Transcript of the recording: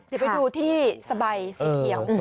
จะไปดูที่สบายสีเขียว